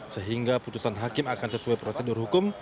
sehingga putusan hakim akan sesuai prosedur hukum